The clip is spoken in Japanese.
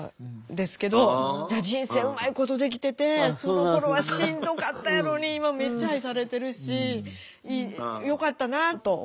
いや人生うまいことできててそのころはしんどかったやろに今めっちゃ愛されてるしよかったなあと思いましたよ。